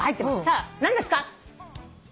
さあ何ですか？